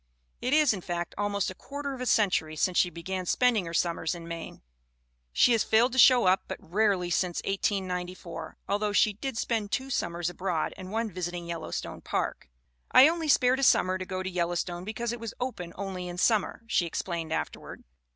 It is, in fact, almost a quarter of a century since she began spending her summers in Maine. She has failed to show up but rarely since 1894, although she did spend two summers abroad and one visiting Yellowstone Park. "I only spared a summer to go to Yellowstone because it was open only in summer," she explained afterward.